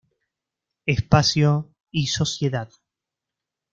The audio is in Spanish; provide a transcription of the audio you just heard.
Espacio y sociedad..